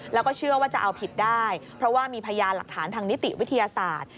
แล้วก็เชื่อว่าจะเอาผิดได้เพราะว่ามีพยานหลักฐานทางนิติวิทยาศาสตร์